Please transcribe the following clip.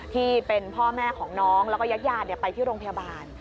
ที่เป็นพ่อแม่ของน้องแล้วก็ญาติไปที่โรงพยาบาล